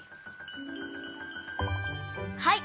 はい。